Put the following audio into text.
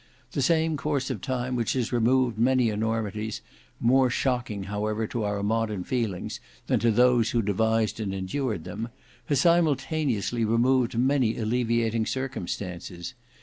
The same course of time which has removed many enormities, more shocking however to our modern feelings than to those who devised and endured them, has simultaneously removed many alleviating circumstances.